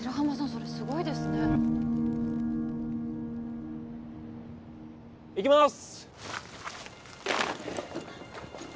それすごいですねいきます